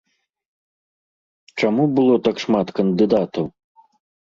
Чаму было так шмат кандыдатаў?